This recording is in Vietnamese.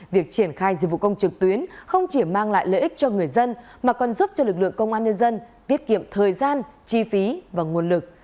việc triển khai dịch vụ công trực tuyến không chỉ mang lại lợi ích cho người dân mà còn giúp cho lực lượng công an nhân dân tiết kiệm thời gian chi phí và nguồn lực